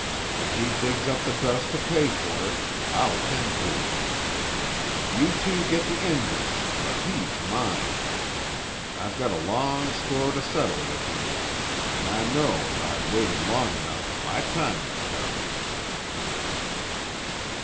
When he digs up the dust to pay fer it, I'll tend to him. You two git the Injun but he's mine. I've got a long score to settle with him an' I know'd if I waited long enough, my time would come."